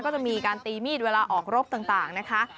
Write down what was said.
ก็จะมีการตีมีดเวลาออกรบต่างนะคะ